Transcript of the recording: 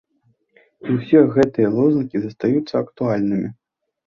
І ўсе гэтыя лозунгі застаюцца актуальнымі!